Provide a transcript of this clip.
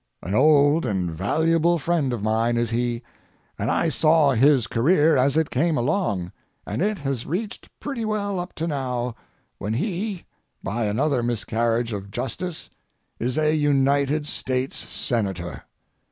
An old and valued friend of mine is he, and I saw his career as it came along, and it has reached pretty well up to now, when he, by another miscarriage of justice, is a United States Senator.